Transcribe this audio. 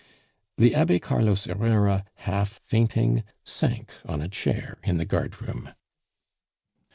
The Abbe Carlos Herrera, half fainting, sank on a chair in the guardroom.